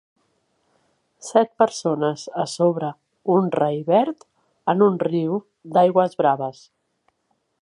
set persones a sobre un rai verd en un riu d'aigües braves.